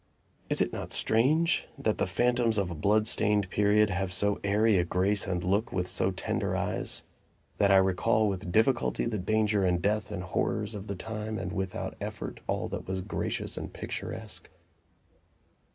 Is it not strange that the phantoms of a blood stained period have so airy a grace and look with so tender eyes? that I recall with difficulty the danger and death and horrors of the time, and without effort all that was gracious and picturesque?